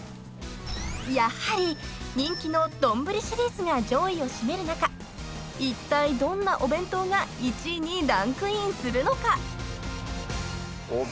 ［やはり人気の丼シリーズが上位を占める中いったいどんなお弁当が１位にランクインするのか？］